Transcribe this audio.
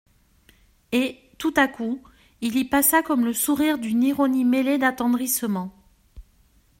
Et, tout à coup, il y passa comme le sourire d'une ironie mêlée d'attendrissement.